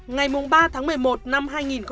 ngày ba tháng một mươi một năm hai nghìn hai mươi ba